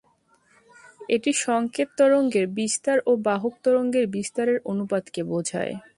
এটি সংকেত তরঙ্গের বিস্তার ও বাহক তরঙ্গের বিস্তারের অনুপাতকে বোঝায়।